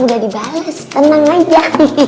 udah dibalas tenang aja